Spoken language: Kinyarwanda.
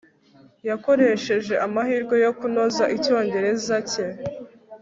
yakoresheje amahirwe yo kunoza icyongereza cye